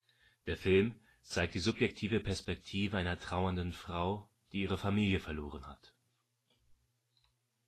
Der Film zeigt die subjektive Perspektive einer trauernden Frau, die ihre Familie verloren hat.